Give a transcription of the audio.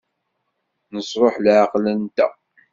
Nesṛuḥ leɛqel-nteɣ.